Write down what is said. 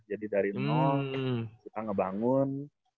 jadi dari nol kita ngebangun